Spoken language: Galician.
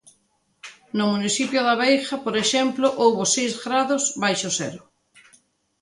No municipio da Veiga, por exemplo, houbo seis graos baixo cero.